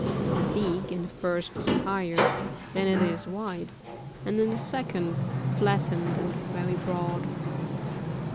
The beak in the first is higher than it is wide, and in the second flattened and very broad.